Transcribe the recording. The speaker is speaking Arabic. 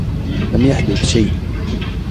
لم يحدث شيء.